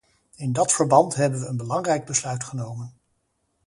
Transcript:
In dat verband hebben we een belangrijk besluit genomen.